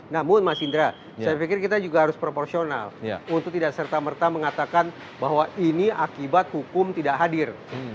namun mas indra saya pikir kita juga harus proporsional untuk tidak serta merta mengatakan bahwa ini akibat hukum tidak hadir